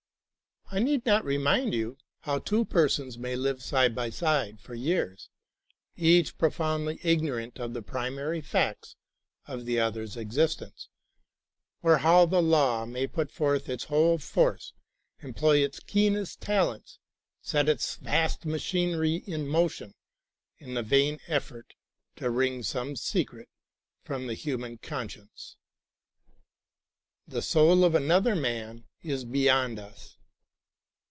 I need not remind you how two persons may live side by side for years, each profoundly ignorant of the primary facts of the other's existence; or how the law* may put forth its whole force, employ its keenest talents, set its vast machinery in motion in the vain effort to wring some secret from the human conscience. The soul of 7 THE LIVING WORD another man is beyond lis.